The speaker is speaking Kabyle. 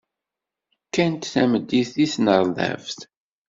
Kkant tameddit deg tnerdabt.